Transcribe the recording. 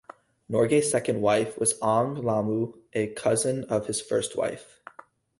Norgay's second wife was Ang Lahmu, a cousin of his first wife.